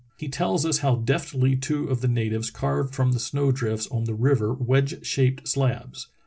He tells us how deftly two of the na tives carved from the snow drifts on the river wedge shaped slabs.